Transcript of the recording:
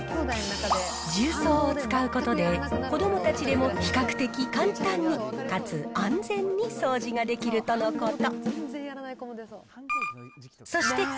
重曹を使うことで、子どもたちでも比較的簡単にかつ安全に掃除ができるとのこと。